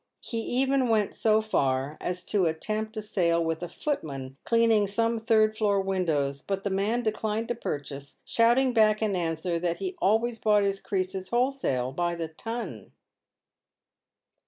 He even went so far as to attempt a sale with a footman cleaning some third floor windows, but the man declined to purchase, shouting back in answer that he " always bought his creases wholesale — by the ton."